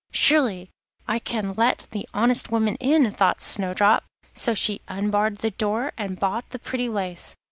'Surely I can let the honest woman in,' thought Snowdrop; so she unbarred the door and bought the pretty lace.